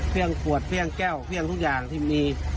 เพียงขวดเพียงแก้วเพียงทุกอย่างที่มี